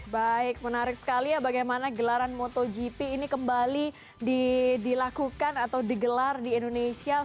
baik menarik sekali ya bagaimana gelaran motogp ini kembali dilakukan atau digelar di indonesia